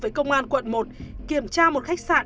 với công an quận một kiểm tra một khách sạn